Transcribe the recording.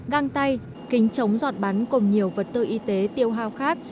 găng tay kính chống giọt bắn cùng nhiều vật tư y tế tiêu hao khác